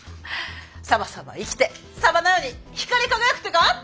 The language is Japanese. サバサバ生きてサバのように光り輝くってか？